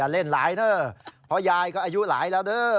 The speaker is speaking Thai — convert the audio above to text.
เพราะยายก็อายุหลายแล้วเด้อ